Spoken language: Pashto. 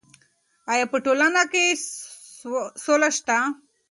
ایا په ټولنه کې سوله شته؟